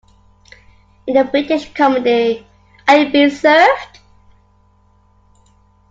In the British comedy Are You Being Served?